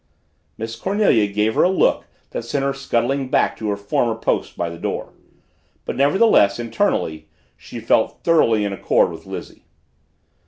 Miss Cornelia gave her a look that sent her scuttling back to her former post by the door. But nevertheless, internally, she felt thoroughly in accord with Lizzie.